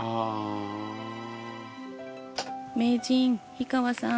名人氷川さん。